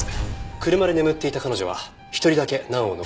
車で眠っていた彼女は１人だけ難を逃れました。